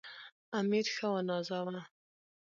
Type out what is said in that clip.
امیر ښه ونازاوه.